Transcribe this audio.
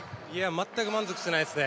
全く満足してないですね。